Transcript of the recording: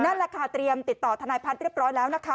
นั่นแหละตกใจพร้องเตรียมถอนกลับธนายพัฒน์เรียบร้อยแล้ว